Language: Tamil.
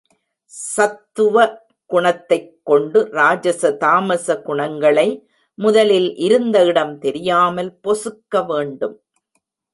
சத்துவகுணத்தைக் கொண்டு ராஜச தாமச குணங்களை முதலில் இருந்த இடம் தெரியாமல் பொசுக்க வேண்டும்.